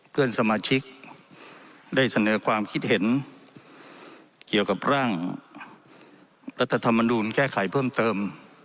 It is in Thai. เพื่อนสมาชิกได้เสนอความคิดเห็นเกี่ยวกับร่างรัฐธรรมนูลแก้ไขเพิ่มเติม